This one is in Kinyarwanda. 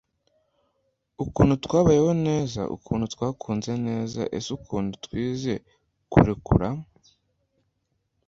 Ukuntu twabayeho neza. Ukuntu twakunze neza. Ese ukuntu twize kurekura. ”